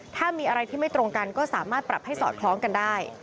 ถ้ามีอะไรที่ไม่ตรงกันก็สามารถปรับให้สอดคล้องกันได้